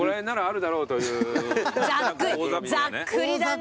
ざっくりだな。